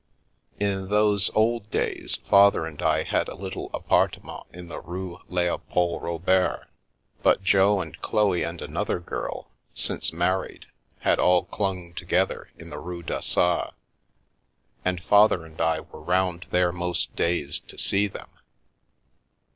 In those old days, Father and I had had a little apartment in the Rue Leopold Robert, but Jo and Chloe and an other girl, since married, had all clung together in the Rue d'Assas, and Father and I were round there most days to see them.